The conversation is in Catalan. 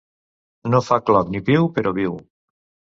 No fa cloc, ni piu, però viu.